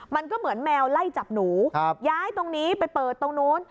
มันก็เหมือนแมวไล่จับหนูย้ายตรงนี้ไปเปิดตรงนู้น